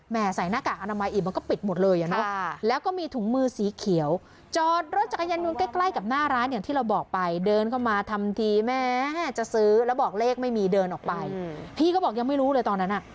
หน้าร้านอย่างที่เราบอกไปเดินเข้ามาทำทีแม่จะซื้อแล้วบอกเลขไม่มีเดินออกไปอืมพี่เขาบอกยังไม่รู้เลยตอนนั้นน่ะ